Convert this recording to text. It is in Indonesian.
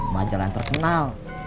majalah yang terkenal